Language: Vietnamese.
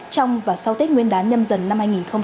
trong và sau tết nguyên đán nhâm dần năm hai nghìn hai mươi